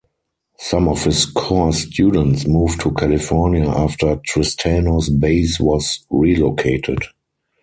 Some of his core students moved to California after Tristano's base was relocated.